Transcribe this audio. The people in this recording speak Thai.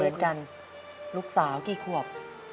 เหมือนกันลูกสาวกี่ขวบ